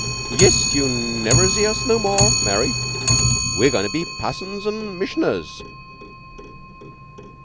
"Yiss. Yeou'll niver zee us no more, Mary. We're goin' to be passons an' missioners."